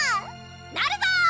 なるぞー！